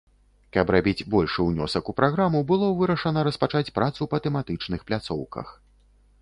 Каб рабіць большы ўнёсак у праграму, было вырашана распачаць працу па тэматычных пляцоўках.